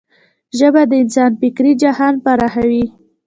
ژبه د انسان فکري جهان پراخوي.